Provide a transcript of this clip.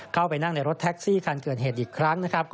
เข้าไปนั่งในรถแท็กซี่คันเกิดเหตุอีกครั้งนะครับ